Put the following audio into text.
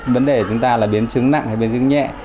vấn đề của chúng ta là biến chứng nặng hay biến chứng nhẹ